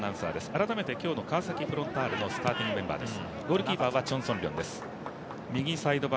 改めて今日の川崎フロンターレのスターティングメンバーです。